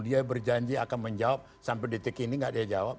dia berjanji akan menjawab sampai detik ini gak dia jawab